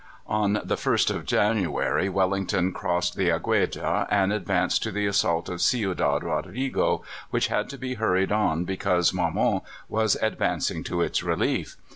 On the 1st of January Wellington crossed the Agueda, and advanced to the assault of Ciudad Rodrigo, which had to be hurried on because Marmont was advancing to its relief.